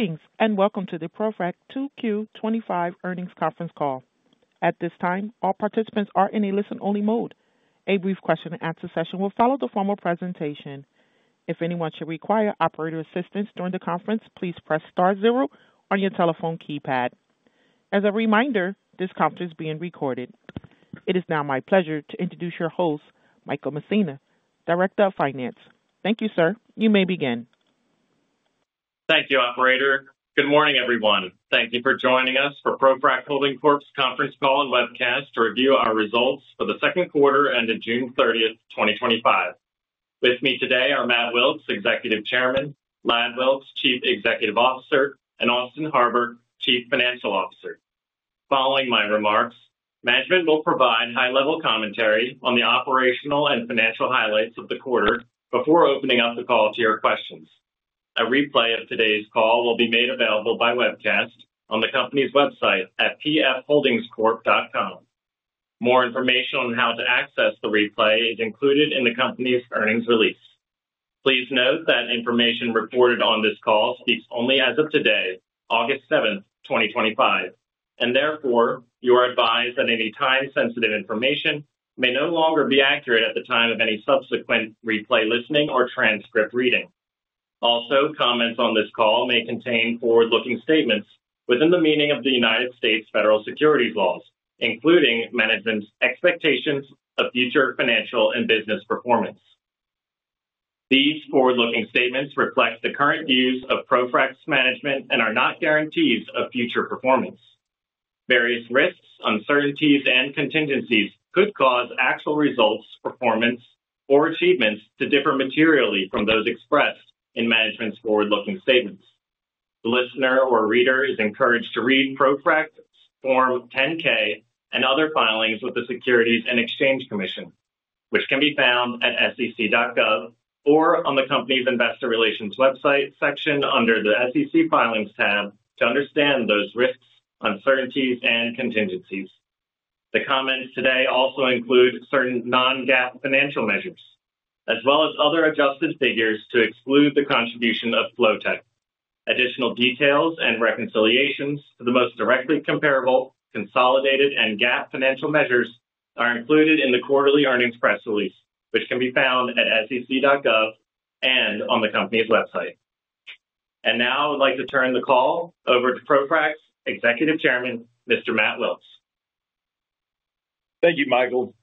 Greetings and welcome to the ProFrac 2Q 2025 earnings conference call. At this time, all participants are in a listen-only mode. A brief question and answer session will follow the formal presentation. If anyone should require operator assistance during the conference, please press star zero on your telephone keypad. As a reminder, this conference is being recorded. It is now my pleasure to introduce your host, Michael Messina, Director of Finance. Thank you, sir. You may begin. Thank you, Operator. Good morning, everyone. Thank you for joining us for ProFrac Holding Corp's conference call and webcast to review our results for the second quarter ended June 30th, 2025. With me today are Matt Wilks, Executive Chairman, Ladd Wilks, Chief Executive Officer, and Austin Harbour, Chief Financial Officer. Following my remarks, management will provide high-level commentary on the operational and financial highlights of the quarter before opening up the call to your questions. A replay of today's call will be made available by webcast on the company's website at pfholdingscorp.com. More information on how to access the replay is included in the company's earnings release. Please note that information reported on this call speaks only as of today, August 7, 2025, and therefore you are advised that any time-sensitive information may no longer be accurate at the time of any subsequent replay listening or transcript reading. Also, comments on this call may contain forward-looking statements within the meaning of the United States Federal Securities Laws, including management's expectations of future financial and business performance. These forward-looking statements reflect the current views of ProFrac's management and are not guarantees of future performance. Various risks, uncertainties, and contingencies could cause actual results, performance, or achievements to differ materially from those expressed in management's forward-looking statements. The listener or reader is encouraged to read ProFrac's Form 10-K and other filings with the Securities and Exchange Commission, which can be found at sec.gov or on the company's Investor Relations website section under the SEC Filings tab to understand those risks, uncertainties, and contingencies. The comments today also include certain non-GAAP financial measures, as well as other adjusted figures to exclude the contribution of Flotek. Additional details and reconciliations for the most directly comparable, consolidated, and GAAP financial measures are included in the quarterly earnings press release, which can be found at sec.gov and on the company's website. I would like to turn the call over to ProFrac's Executive Chairman, Mr. Matt Wilks. Thank you, Michael,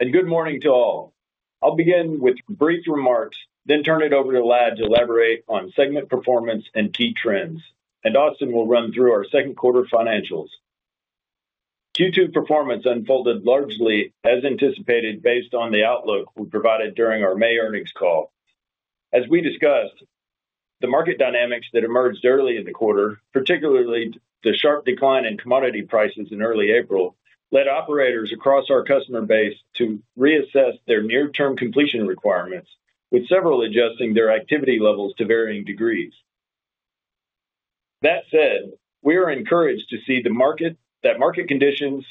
and good morning to all. I'll begin with brief remarks, then turn it over to Ladd to elaborate on segment performance and key trends, and Austin will run through our second quarter financials. Q2 performance unfolded largely as anticipated based on the outlook we provided during our May earnings call. As we discussed, the market dynamics that emerged early in the quarter, particularly the sharp decline in commodity prices in early April, led operators across our customer base to reassess their near-term completion requirements, with several adjusting their activity levels to varying degrees. That said, we are encouraged to see that market conditions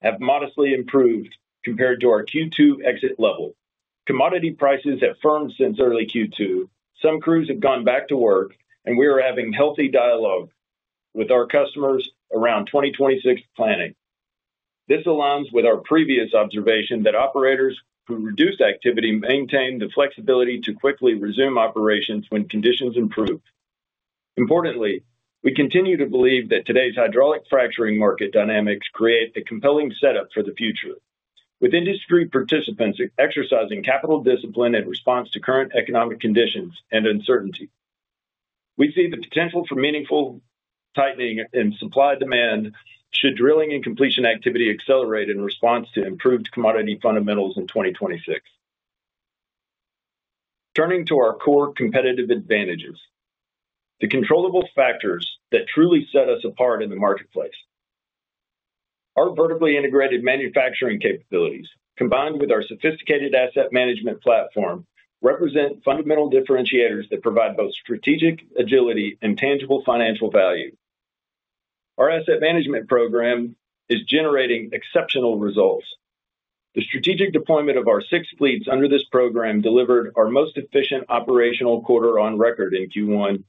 have modestly improved compared to our Q2 exit level. Commodity prices have firmed since early Q2, some crews have gone back to work, and we are having healthy dialogue with our customers around 2026 planning. This aligns with our previous observation that operators who reduced activity maintained the flexibility to quickly resume operations when conditions improved. Importantly, we continue to believe that today's hydraulic fracturing market dynamics create a compelling setup for the future, with industry participants exercising capital discipline in response to current economic conditions and uncertainty. We see the potential for meaningful tightening in supply-demand should drilling and completion activity accelerate in response to improved commodity fundamentals in 2026. Turning to our core competitive advantages, the controllable factors that truly set us apart in the marketplace. Our vertically integrated manufacturing capabilities, combined with our sophisticated asset management platform, represent fundamental differentiators that provide both strategic agility and tangible financial value. Our asset management program is generating exceptional results. The strategic deployment of our six fleets under this program delivered our most efficient operational quarter on record in Q1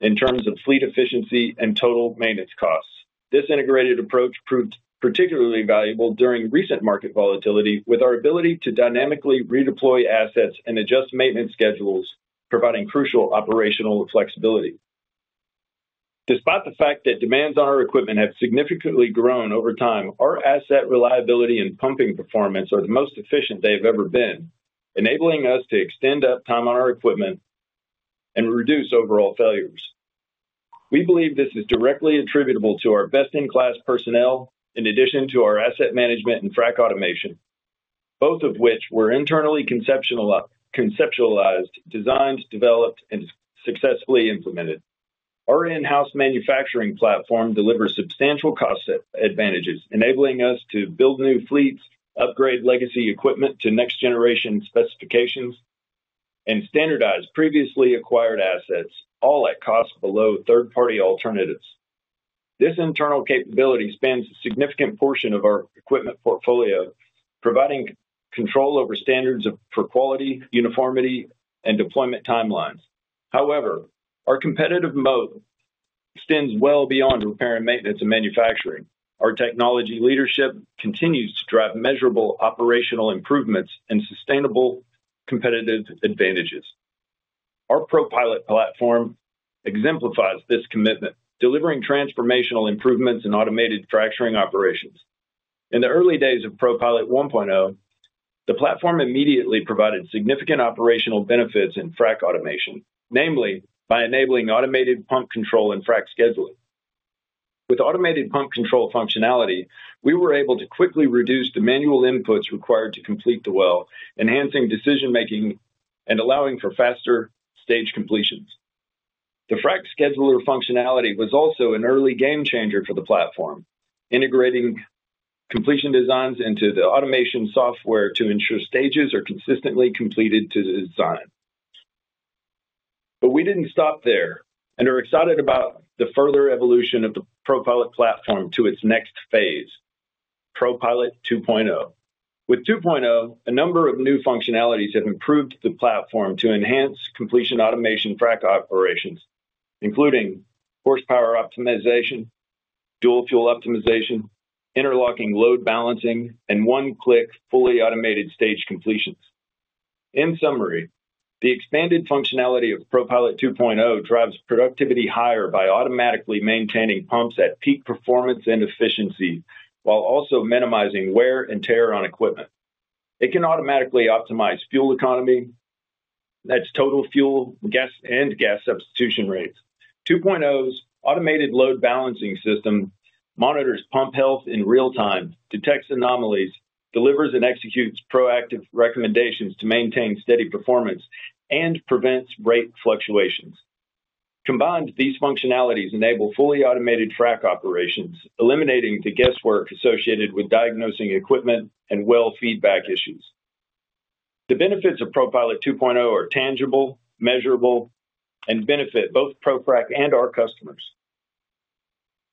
in terms of fleet efficiency and total maintenance costs. This integrated approach proved particularly valuable during recent market volatility, with our ability to dynamically redeploy assets and adjust maintenance schedules, providing crucial operational flexibility. Despite the fact that demands on our equipment have significantly grown over time, our asset reliability and pumping performance are the most efficient they have ever been, enabling us to extend uptime on our equipment and reduce overall failures. We believe this is directly attributable to our best-in-class personnel in addition to our asset management and frac automation, both of which were internally conceptualized, designed, developed, and successfully implemented. Our in-house manufacturing platform delivers substantial cost advantages, enabling us to build new fleets, upgrade legacy equipment to next-generation specifications, and standardize previously acquired assets, all at costs below third-party alternatives. This internal capability spans a significant portion of our equipment portfolio, providing control over standards for quality, uniformity, and deployment timelines. However, our competitive moat extends well beyond repair and maintenance and manufacturing. Our technology leadership continues to drive measurable operational improvements and sustainable competitive advantages. Our ProPilot platform exemplifies this commitment, delivering transformational improvements in automated fracturing operations. In the early days of ProPilot 1.0, the platform immediately provided significant operational benefits in frac automation, namely by enabling automated pump control and frac scheduling. With automated pump control functionality, we were able to quickly reduce the manual inputs required to complete the well, enhancing decision-making and allowing for faster stage completions. The frac scheduler functionality was also an early game changer for the platform, integrating completion designs into the automation software to ensure stages are consistently completed to the design. We didn't stop there and are excited about the further evolution of the ProPilot platform to its next phase, ProPilot 2.0. With 2.0, a number of new functionalities have improved the platform to enhance completion automation frac operations, including horsepower optimization, dual-fuel optimization, interlocking load balancing, and one-click fully automated stage completions. In summary, the expanded functionality of ProPilot 2.0 drives productivity higher by automatically maintaining pumps at peak performance and efficiency, while also minimizing wear and tear on equipment. It can automatically optimize fuel economy, that's total fuel gas and gas substitution rates. ProPilot 2.0's automated load balancing system monitors pump health in real time, detects anomalies, delivers and executes proactive recommendations to maintain steady performance, and prevents rate fluctuations. Combined, these functionalities enable fully automated frac operations, eliminating the guesswork associated with diagnosing equipment and well feedback issues. The benefits of ProPilot 2.0 are tangible, measurable, and benefit both ProFrac and our customers.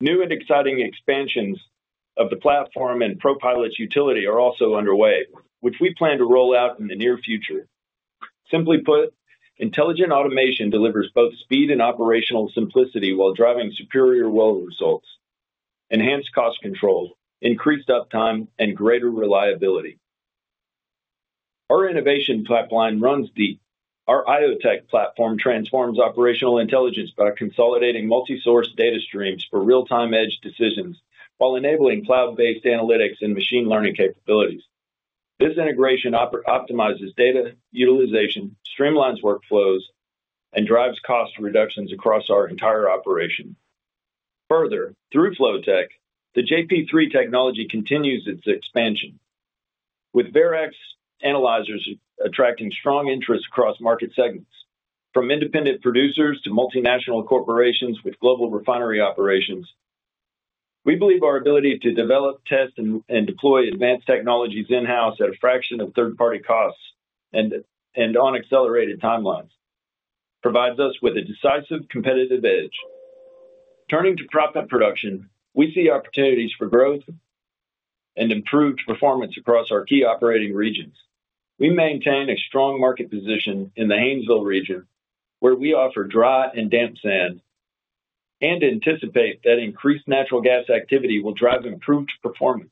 New and exciting expansions of the platform and ProPilot utility are also underway, which we plan to roll out in the near future. Simply put, intelligent automation delivers both speed and operational simplicity while driving superior well results, enhanced cost control, increased uptime, and greater reliability. Our innovation pipeline runs deep. Our IoTeX platform transforms operational intelligence by consolidating multi-source data streams for real-time edge decisions, while enabling cloud-based analytics and machine learning capabilities. This integration optimizes data utilization, streamlines workflows, and drives cost reductions across our entire operation. Further, through Flotek Industries, the JP3 technology continues its expansion, with Varex analyzers attracting strong interest across market segments, from independent producers to multinational corporations with global refinery operations. We believe our ability to develop, test, and deploy advanced technologies in-house at a fraction of third-party costs and on accelerated timelines provides us with a decisive competitive edge. Turning to production, we see opportunities for growth and improved performance across our key operating regions. We maintain a strong market position in the Hainesville region, where we offer dry and damp sand and anticipate that increased natural gas activity will drive improved performance.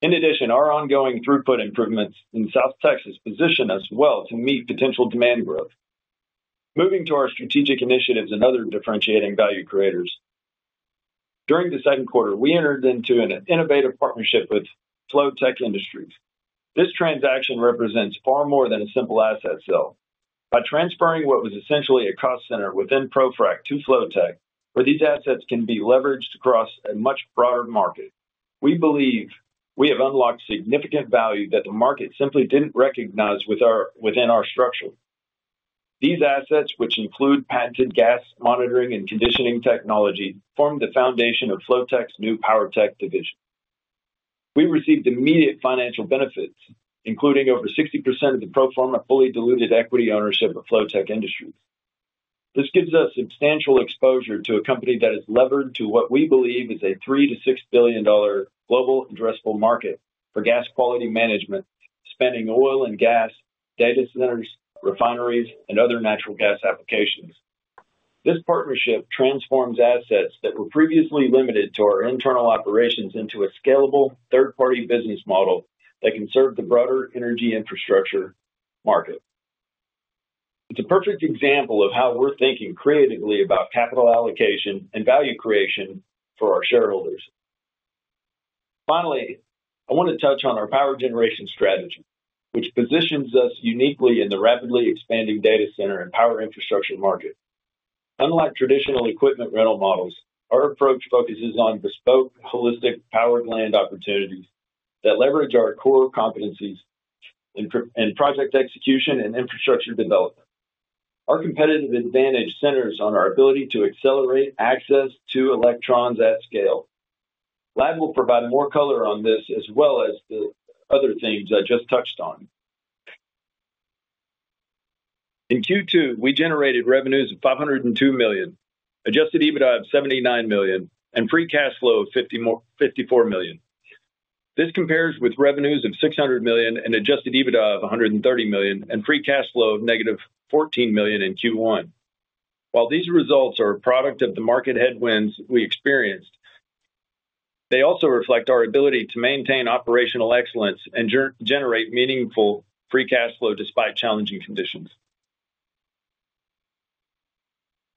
In addition, our ongoing throughput improvements in South Texas position us well to meet potential demand growth. Moving to our strategic initiatives and other differentiating value creators, during the second quarter, we entered into an innovative partnership with Flotek Industries. This transaction represents far more than a simple asset sale. By transferring what was essentially a cost center within ProFrac to Flotek, where these assets can be leveraged across a much broader market, we believe we have unlocked significant value that the market simply didn't recognize within our structure. These assets, which include patented gas monitoring and conditioning technology, formed the foundation of Flotek new power tech division. We received immediate financial benefits, including over 60% of the pro forma fully diluted equity ownership of Flotek Industries. This gives us substantial exposure to a company that is levered to what we believe is a $3 billion - $6 billion global addressable market for gas quality management, spanning oil and gas, data centers, refineries, and other natural gas applications. This partnership transforms assets that were previously limited to our internal operations into a scalable third-party business model that can serve the broader energy infrastructure market. It's a perfect example of how we're thinking creatively about capital allocation and value creation for our shareholders. Finally, I want to touch on our power generation strategy, which positions us uniquely in the rapidly expanding data center and power infrastructure market. Unlike traditional equipment rental models, our approach focuses on bespoke holistic powered land opportunities that leverage our core competencies in project execution and infrastructure development. Our competitive advantage centers on our ability to accelerate access to electrons at scale. Ladd will provide more color on this as well as the other things I just touched on.In Q2, we generated revenues of $502 million, adjusted EBITDA of $79 million, and free cash flow of $54 million. This compares with revenues of $600 million and adjusted EBITDA of $130 million and free cash flow of -$14 million in Q1. While these results are a product of the market headwinds we experienced, they also reflect our ability to maintain operational excellence and generate meaningful free cash flow despite challenging conditions.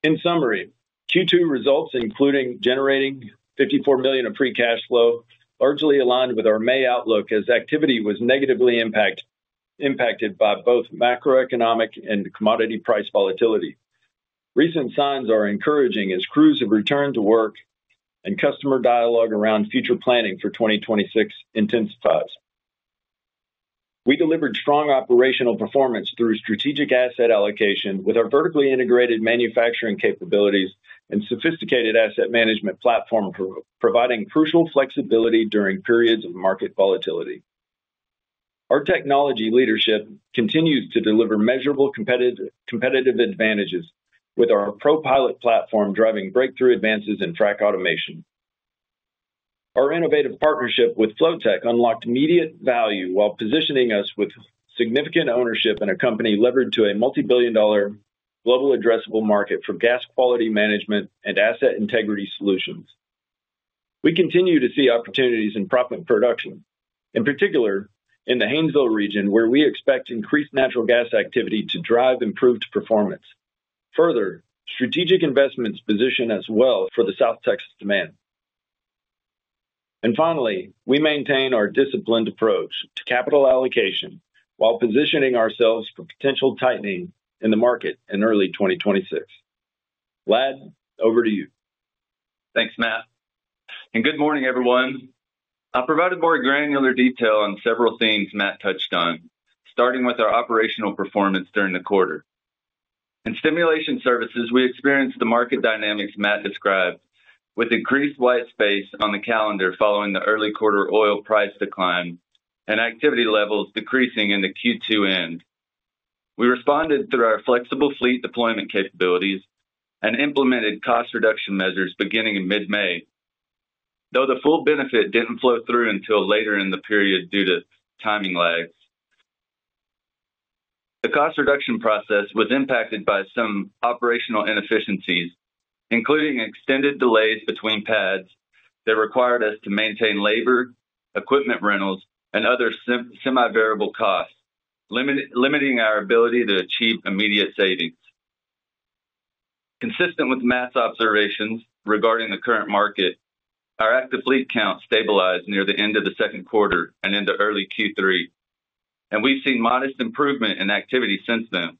In summary, Q2 results, including generating $54 million of free cash flow, largely aligned with our May outlook as activity was negatively impacted by both macroeconomic and commodity price volatility. Recent signs are encouraging as crews have returned to work and customer dialogue around future planning for 2026 intensifies. We delivered strong operational performance through strategic asset allocation with our vertically integrated manufacturing capabilities and sophisticated asset management platform, providing crucial flexibility during periods of market volatility. Our technology leadership continues to deliver measurable competitive advantages, with our ProPilot platform driving breakthrough advances in frac automation. Our innovative partnership with Flotek unlocked immediate value while positioning us with significant ownership in a company levered to a multi-billion dollar global addressable market for gas quality management and asset integrity solutions. We continue to see opportunities in proppant production, in particular in the Hainesville region, where we expect increased natural gas activity to drive improved performance. Further, strategic investments position us well for the South Texas demand. Finally, we maintain our disciplined approach to capital allocation while positioning ourselves for potential tightening in the market in early 2026. Ladd, over to you. Thanks, Matt, and good morning, everyone. I provided more granular detail on several themes Matt touched on, starting with our operational performance during the quarter. In stimulation services, we experienced the market dynamics Matt described, with increased white space on the calendar following the early quarter oil price decline and activity levels decreasing in the Q2 end. We responded through our flexible fleet deployment capabilities and implemented cost reduction measures beginning in mid-May, though the full benefit didn't flow through until later in the period due to timing lags. The cost reduction process was impacted by some operational inefficiencies, including extended delays between pads that required us to maintain labor, equipment rentals, and other semi-variable costs, limiting our ability to achieve immediate savings. Consistent with Matt's observations regarding the current market, our active fleet count stabilized near the end of the second quarter and into early Q3, and we've seen modest improvement in activity since then.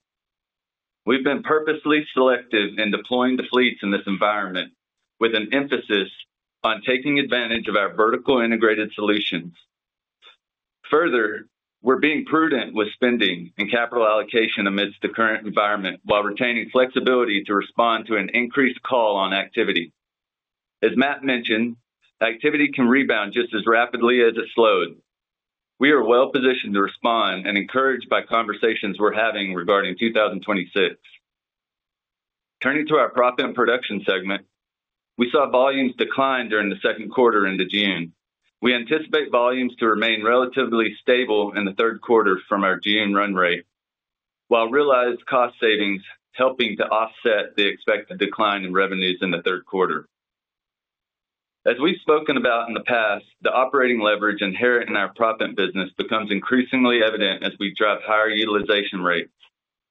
We've been purposely selective in deploying the fleets in this environment, with an emphasis on taking advantage of our vertical integrated solutions. Further, we're being prudent with spending and capital allocation amidst the current environment while retaining flexibility to respond to an increased call on activity. As Matt mentioned, activity can rebound just as rapidly as it slowed. We are well positioned to respond and encouraged by conversations we're having regarding 2026. Turning to our proppant production segment, we saw volumes decline during the second quarter into June. We anticipate volumes to remain relatively stable in the third quarter from our June run rate, while realized cost savings helping to offset the expected decline in revenues in the third quarter. As we've spoken about in the past, the operating leverage inherent in our proppant business becomes increasingly evident as we drive higher utilization rates,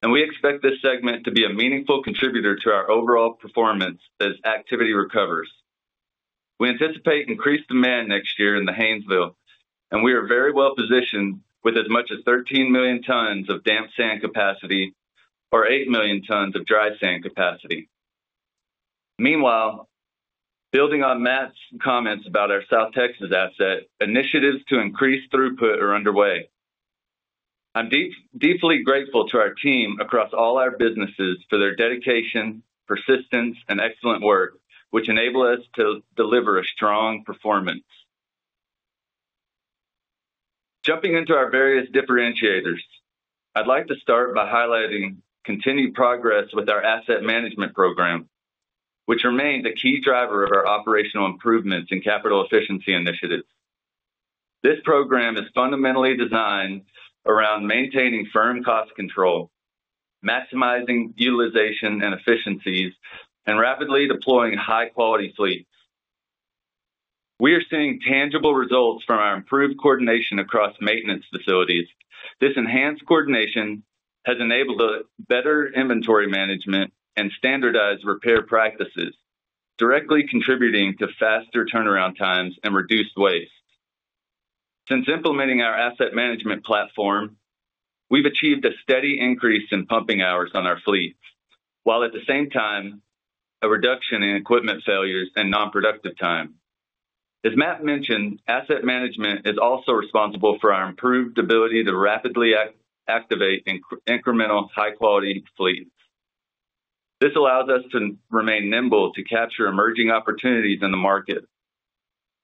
and we expect this segment to be a meaningful contributor to our overall performance as activity recovers. We anticipate increased demand next year in the Hainesville, and we are very well positioned with as much as 13 million tons of damp sand capacity or 8 million tons of dry sand capacity. Meanwhile, building on Matt's comments about our South Texas asset, initiatives to increase throughput are underway. I'm deeply grateful to our team across all our businesses for their dedication, persistence, and excellent work, which enable us to deliver a strong performance. Jumping into our various differentiators, I'd like to start by highlighting continued progress with our asset management program, which remains a key driver of our operational improvements and capital efficiency initiatives. This program is fundamentally designed around maintaining firm cost control, maximizing utilization and efficiencies, and rapidly deploying high-quality fleets. We are seeing tangible results from our improved coordination across maintenance facilities. This enhanced coordination has enabled better inventory management and standardized repair practices, directly contributing to faster turnaround times and reduced waste. Since implementing our asset management platform, we've achieved a steady increase in pumping hours on our fleets, while at the same time a reduction in equipment failures and non-productive time. As Matt mentioned, asset management is also responsible for our improved ability to rapidly activate incremental high-quality fleets. This allows us to remain nimble to capture emerging opportunities in the market.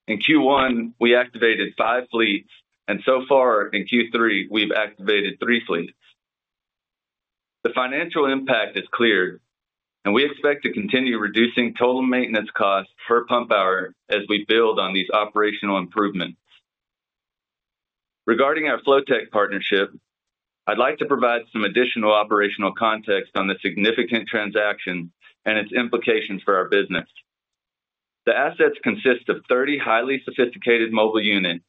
In Q1, we activated five fleets, and so far in Q3, we've activated three fleets. The financial impact is clear, and we expect to continue reducing total maintenance costs per pump hour as we build on these operational improvements. Regarding our Flotek partnership, I'd like to provide some additional operational context on the significant transaction and its implications for our business. The assets consist of 30 highly sophisticated mobile units,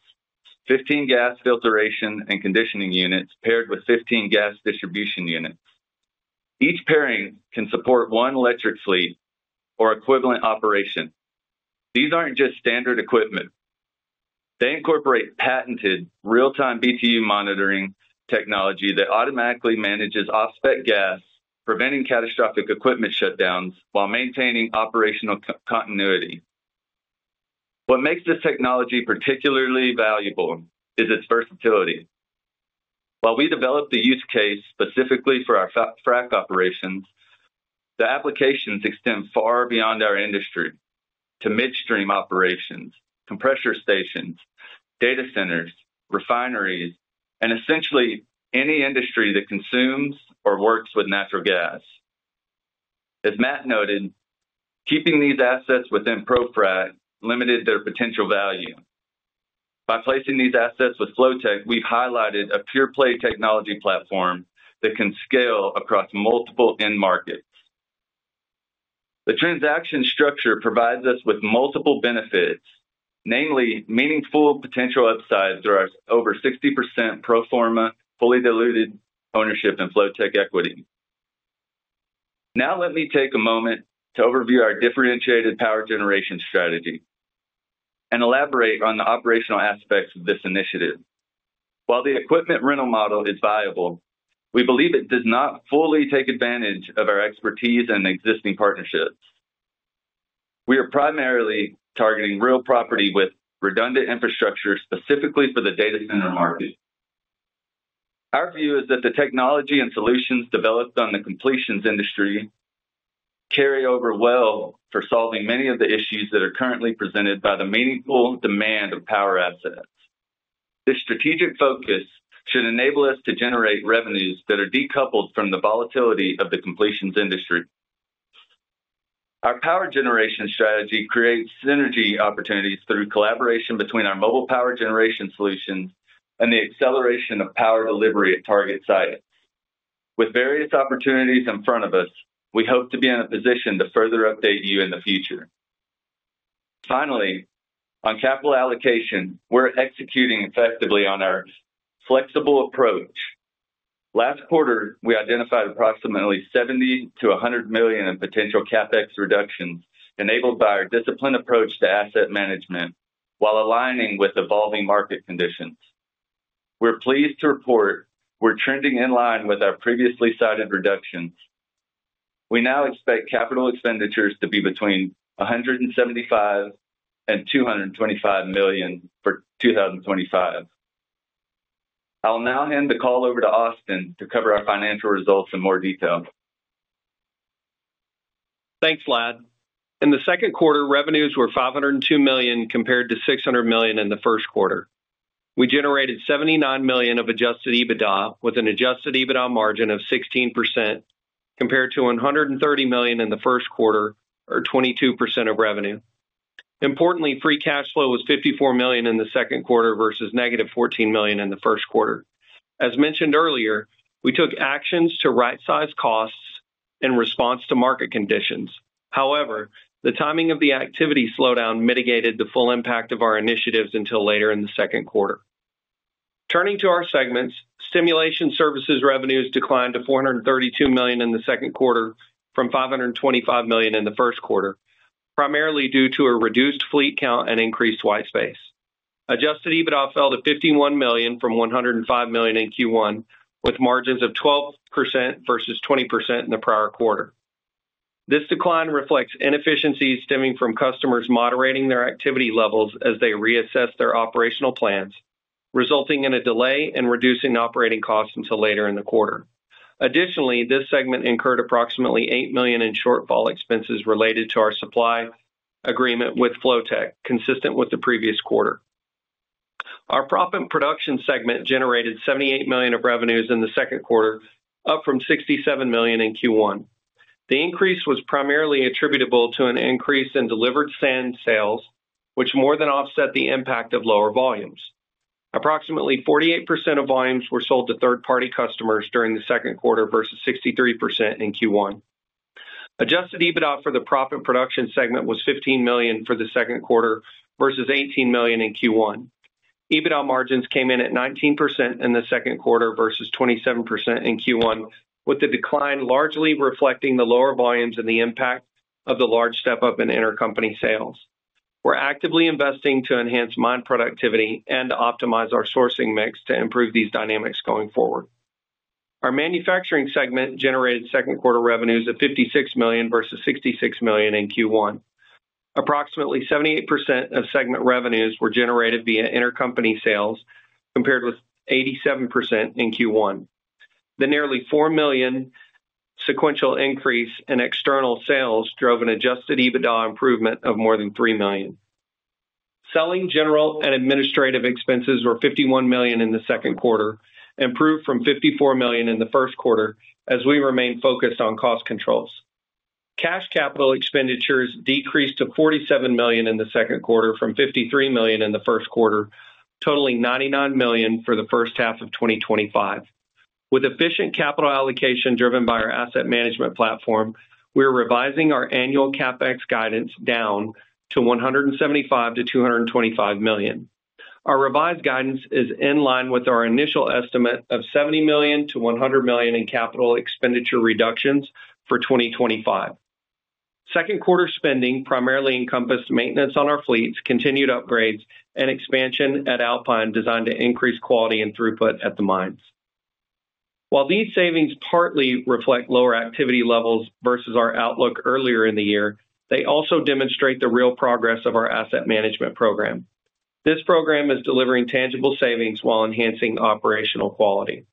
15 gas filtration and conditioning units paired with 15 gas distribution units. Each pairing can support one electric fleet or equivalent operation. These aren't just standard equipment. They incorporate patented real-time BTU monitoring technology that automatically manages off-spec gas, preventing catastrophic equipment shutdowns while maintaining operational continuity. What makes this technology particularly valuable is its versatility. While we developed the use case specifically for our frac operations, the applications extend far beyond our industry to midstream operations, compressor stations, data centers, refineries, and essentially any industry that consumes or works with natural gas. As Matt noted, keeping these assets within ProFrac limited their potential value. By placing these assets with Flotek, we've highlighted a pure play technology platform that can scale across multiple end markets. The transaction structure provides us with multiple benefits, namely meaningful potential upside to our over 60% pro forma fully diluted ownership in Flotek equity. Now let me take a moment to overview our differentiated power generation strategy and elaborate on the operational aspects of this initiative. While the equipment rental model is viable, we believe it does not fully take advantage of our expertise and existing partnerships. We are primarily targeting real property with redundant infrastructure specifically for the data center market. Our view is that the technology and solutions developed on the completions industry carry over well for solving many of the issues that are currently presented by the meaningful demand of power assets. This strategic focus should enable us to generate revenues that are decoupled from the volatility of the completions industry. Our power generation strategy creates synergy opportunities through collaboration between our mobile power generation solution and the acceleration of power delivery at target sites. With various opportunities in front of us, we hope to be in a position to further update you in the future. Finally, on capital allocation, we're executing effectively on our flexible approach. Last quarter, we identified approximately $70 million - $100 million in potential CapEx reductions enabled by our disciplined approach to asset management while aligning with evolving market conditions. We're pleased to report we're trending in line with our previously cited reductions. We now expect capital expenditures to be between $175 million and $225 million for 2025. I'll now hand the call over to Austin to cover our financial results in more detail. Thanks, Ladd, in the second quarter, revenues were $502 million compared to $600 million in the first quarter. We generated $79 million of adjusted EBITDA with an adjusted EBITDA margin of 16% compared to $130 million in the first quarter, or 22% of revenue. Importantly, free cash flow was $54 million in the second quarter versus -$14 million in the first quarter. As mentioned earlier, we took actions to right-size costs in response to market conditions. However, the timing of the activity slowdown mitigated the full impact of our initiatives until later in the second quarter. Turning to our segments, stimulation services revenues declined to $432 million in the second quarter from $525 million in the first quarter, primarily due to a reduced fleet count and increased white space. Adjusted EBITDA fell to $51 million from $105 million in Q1, with margins of 12% versus 20% in the prior quarter. This decline reflects inefficiencies stemming from customers moderating their activity levels as they reassessed their operational plans, resulting in a delay in reducing operating costs until later in the quarter. Additionally, this segment incurred approximately $8 million in shortfall expenses related to our supply agreement with Flotek Industries, consistent with the previous quarter. Our proppant production segment generated $78 million of revenues in the second quarter, up from $67 million in Q1. The increase was primarily attributable to an increase in delivered sand sales, which more than offset the impact of lower volumes. Approximately 48% of volumes were sold to third-party customers during the second quarter versus 63% in Q1. Adjusted EBITDA for the proppant production segment was $15 million for the second quarter versus $18 million in Q1. EBITDA margins came in at 19% in the second quarter versus 27% in Q1, with the decline largely reflecting the lower volumes and the impact of the large step-up in intercompany sales. We're actively investing to enhance mine productivity and optimize our sourcing mix to improve these dynamics going forward. Our manufacturing segment generated second quarter revenues at $56 million versus $66 million in Q1. Approximately 78% of segment revenues were generated via intercompany sales, compared with 87% in Q1. The nearly $4 million sequential increase in external sales drove an adjusted EBITDA improvement of more than $3 million. Selling, general and administrative expenses were $51 million in the second quarter, improved from $54 million in the first quarter, as we remain focused on cost controls. Cash capital expenditures decreased to $47 million in the second quarter from $53 million in the first quarter, totaling $99 million for the first half of 2025. With efficient capital allocation driven by our asset management platform, we are revising our annual CapEx guidance down to $175 million - $225 million. Our revised guidance is in line with our initial estimate of $70 million - $100 million in capital expenditure reductions for 2025. Second quarter spending primarily encompassed maintenance on our fleets, continued upgrades, and expansion at Alpine, designed to increase quality and throughput at the mines. While these savings partly reflect lower activity levels versus our outlook earlier in the year, they also demonstrate the real progress of our asset management program. This program is delivering tangible savings while enhancing operational quality.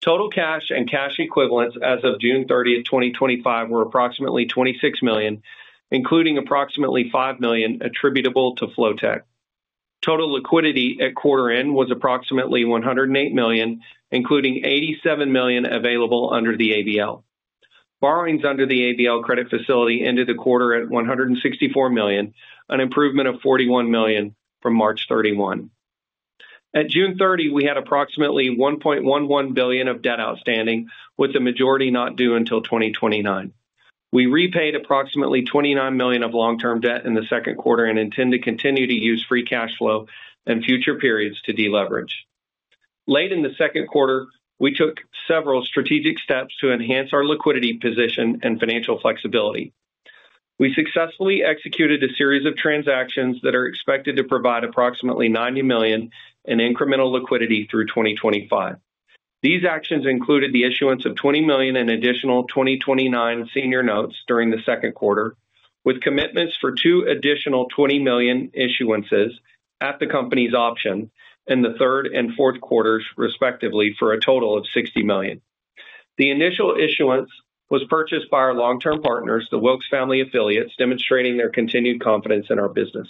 Total cash and cash equivalents as of June 30, 2025, were approximately $26 million, including approximately $5 million attributable to Flotek. Total liquidity at quarter end was approximately $108 million, including $87 million available under the ABL. Borrowings under the ABL credit facility ended the quarter at $164 million, an improvement of $41 million from March 31. At June 30, we had approximately $1.11 billion of debt outstanding, with the majority not due until 2029. We repaid approximately $29 million of long-term debt in the second quarter and intend to continue to use free cash flow in future periods to deleverage. Late in the second quarter, we took several strategic steps to enhance our liquidity position and financial flexibility. We successfully executed a series of transactions that are expected to provide approximately $90 million in incremental liquidity through 2025. These actions included the issuance of $20 million in additional 2029 senior notes during the second quarter, with commitments for two additional $20 million issuances at the company's option in the third and fourth quarters, respectively, for a total of $60 million. The initial issuance was purchased by our long-term partners, the Wilks Family affiliates, demonstrating their continued confidence in our business.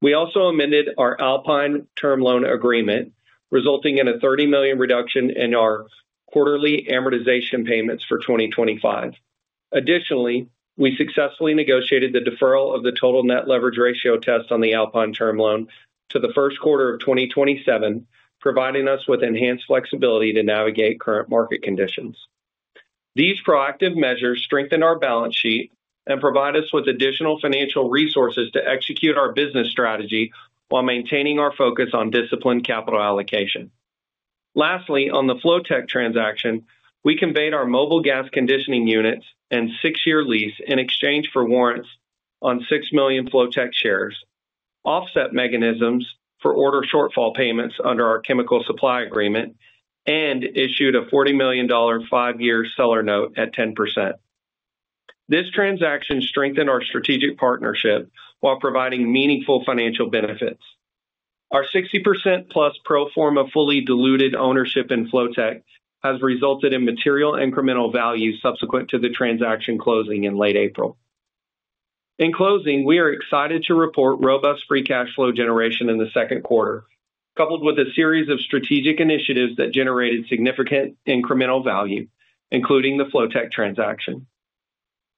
We also amended our Alpine term loan agreement, resulting in a $30 million reduction in our quarterly amortization payments for 2025. Additionally, we successfully negotiated the deferral of the total net leverage ratio test on the Alpine term loan to the first quarter of 2027, providing us with enhanced flexibility to navigate current market conditions. These proactive measures strengthen our balance sheet and provide us with additional financial resources to execute our business strategy while maintaining our focus on disciplined capital allocation. Lastly, on the Flotek transaction, we conveyed our mobile gas conditioning units and six-year lease in exchange for warrants on 6 million Flotek shares, offset mechanisms for order shortfall payments under our chemical supply agreement, and issued a $40 million five-year seller note at 10%. This transaction strengthened our strategic partnership while providing meaningful financial benefits. Our 60% plus pro forma fully diluted ownership in Flotek has resulted in material incremental values subsequent to the transaction closing in late April. In closing, we are excited to report robust free cash flow generation in the second quarter, coupled with a series of strategic initiatives that generated significant incremental value, including the Flotek transaction,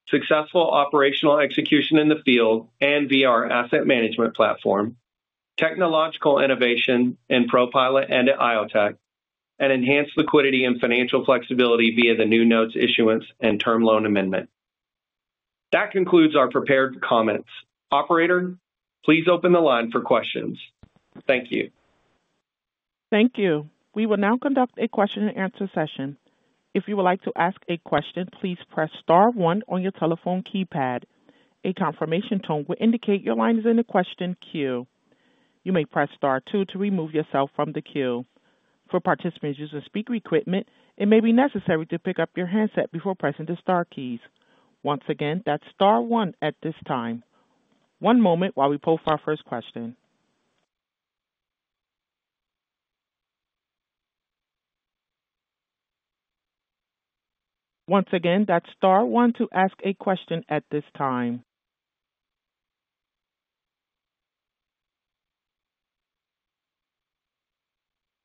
successful operational execution in the field and via our asset management platform, technological innovation in ProPilot and IoTeX, and enhanced liquidity and financial flexibility via the new notes issuance and term loan amendment. That concludes our prepared comments. Operator, please open the line for questions. Thank you. Thank you. We will now conduct a question and answer session. If you would like to ask a question, please press star one on your telephone keypad. A confirmation tone will indicate your line is in the question queue. You may press star two to remove yourself from the queue. For participants using speaker equipment, it may be necessary to pick up your handset before pressing the star keys. Once again, that's star one at this time. One moment while we poll for our first question. Once again, that's star one to ask a question at this time.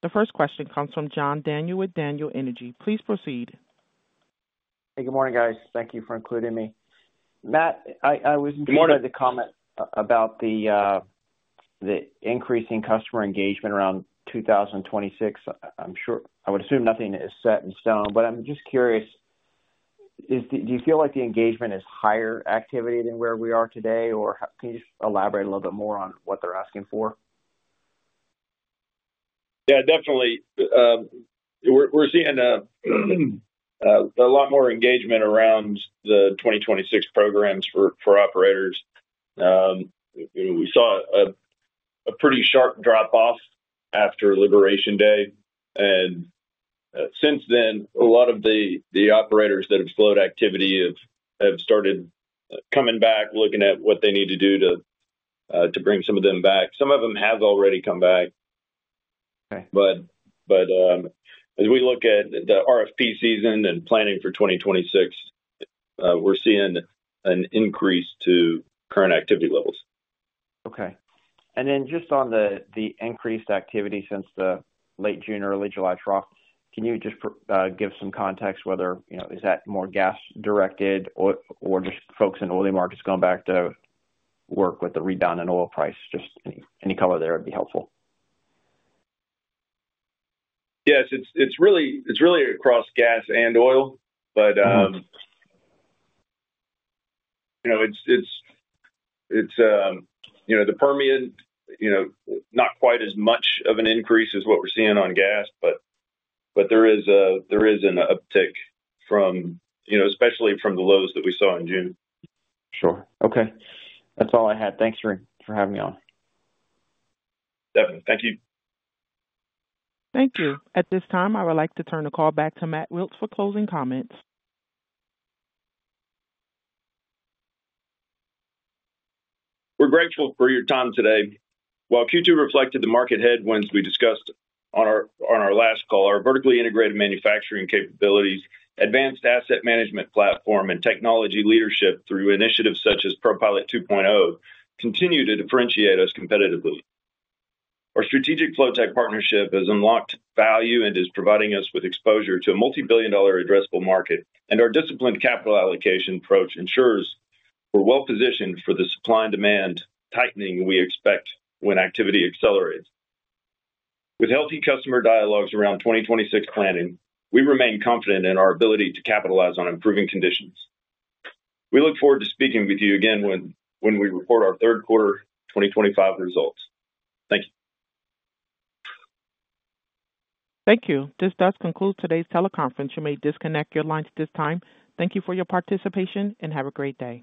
The first question comes from John Daniel with Daniel Energy. Please proceed. Hey, good morning, guys. Thank you for including me. Matt, I was interested in the comment about the increasing customer engagement around 2026. I'm sure I would assume nothing is set in stone, but I'm just curious, do you feel like the engagement is higher activity than where we are today, or can you just elaborate a little bit more on what they're asking for? Yeah, definitely. We're seeing a lot more engagement around the 2026 programs for operators. We saw a pretty sharp drop-off after Liberation Day, and since then, a lot of the operators that have slowed activity have started coming back, looking at what they need to do to bring some of them back. Some of them have already come back. As we look at the RFP season and planning for 2026, we're seeing an increase to current activity levels. Okay. On the increased activity since the late June, early July trough, can you just give some context whether is that more gas-directed or just folks in oil markets going back to work with the rebound in oil price? Any color there would be helpful. Yes, it's really across gas and oil, but the Permian, not quite as much of an increase as what we're seeing on gas, but there is an uptick, especially from the lows that we saw in June. Sure. Okay, that's all I had. Thanks for having me on. Definitely. Thank you. Thank you. At this time, I would like to turn the call back to Matt Wilks for closing comments. We're grateful for your time today. While Q2 reflected the market headwinds we discussed on our last call, our vertically integrated manufacturing capabilities, advanced asset management platform, and technology leadership through initiatives such as ProPilot 2.0 continue to differentiate us competitively. Our strategic Flotek partnership has unlocked value and is providing us with exposure to a multi-billion dollar addressable market, and our disciplined capital allocation approach ensures we're well positioned for the supply and demand tightening we expect when activity accelerates. With healthy customer dialogues around 2026 planning, we remain confident in our ability to capitalize on improving conditions. We look forward to speaking with you again when we report our third quarter 2025 results. Thank you. Thank you. This does conclude today's teleconference. You may disconnect your lines at this time. Thank you for your participation and have a great day.